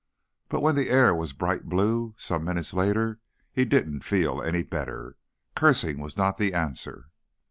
But when the air was bright blue, some minutes later, he didn't feel any better. Cursing was not the answer.